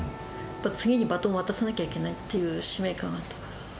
次にバトンを渡さなきゃいけないという使命感があったかな。